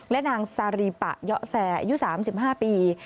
และนางซารีปะเยาะแซอายุ๓๕ปี